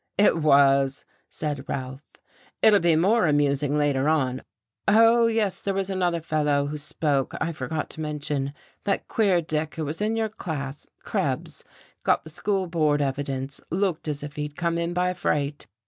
"It was," said Ralph. "It'll be more amusing later on. Oh, yes, there was another fellow who spoke I forgot to mention that queer Dick who was in your class, Krebs, got the school board evidence, looked as if he'd come in by freight.